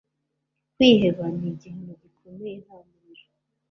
kwiheba ni igihano gikomeye nta muriro